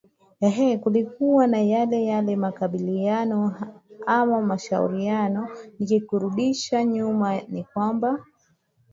eeh kulikuwa na yale yale makubaliano ama mashauriano nikikurundisha nyuma ni kwamba